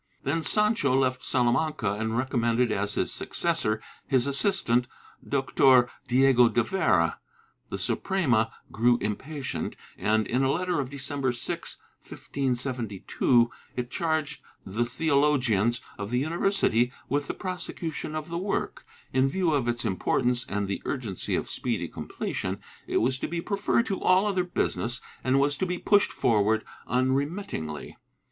Then Sancho left Salamanca and recommended as his successor his assistant Doctor Diego de Vera. The Suprema grew impatient and, in a letter of December 6, 1572, it charged the theologians of the university with the prosecution of the work; in view of its importance and the urgency of speedy completion, it was to be preferred to all other business and was to be pushed forward unremittingly.